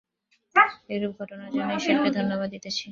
এরূপ ঘটনার জন্য ঈশ্বরকে ধন্যবাদ দিতেছি।